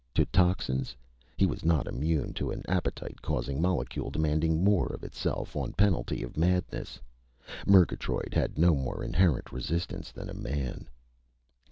To toxins. He was not immune to an appetite causing molecule demanding more of itself on penalty of madness. Murgatroyd had no more inherent resistance than a man.